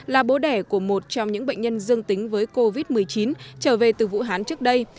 là bố đẻ của một trong những bệnh nhân dương tính với covid một mươi chín trở về từ vũ hán trước đây